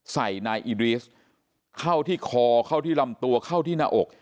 ใส่นายอิดรีสเข้าที่คอเข้าที่ลำตัวเข้าที่หน้าอก